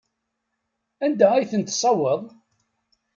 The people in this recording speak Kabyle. Anda ay ten-tessewweḍ?